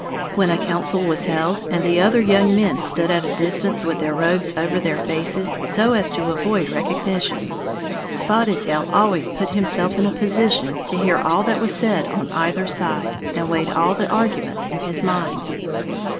When a council was held, and the other young men stood at a distance with their robes over their faces so as to avoid recognition, Spotted Tail always put himself in a position to hear all that was said on either side, and weighed all the arguments in his mind.